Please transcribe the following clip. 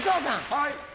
はい。